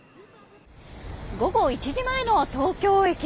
午後１時前の東京駅。